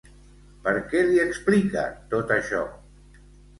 Per què li explica tot això?